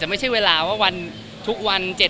ครับครับครับครับครับครับครับครับครับครับครับครับครับครับ